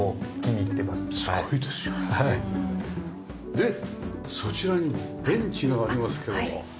でそちらにベンチがありますけども。